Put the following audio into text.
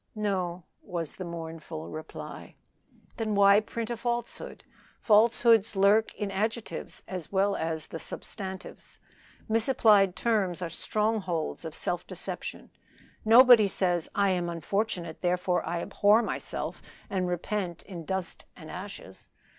"No," was the mournful reply. "Then why print a falsehood? Falsehoods lurk in adjectives as well as substantives. Misapplied terms are strongholds of self deception. Nobody says, 'I am unfortunate, therefore I abhor myself and repent in dust and ashes.'